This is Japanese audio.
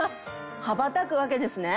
羽ばたくわけですね。